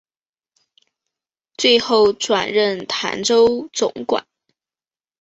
最后转任澶州总管。